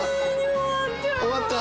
終わった？